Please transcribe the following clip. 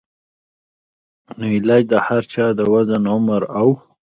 نو علاج د هر چا د وزن ، عمر او